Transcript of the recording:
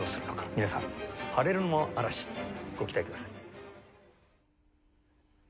皆さんパレルモの嵐ご期待ください。